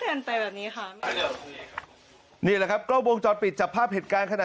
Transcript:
เดิมไปแบบนี้ค่ะนี่นี่ค่ะก็วงจอดปิดจับภาพเหตุการณ์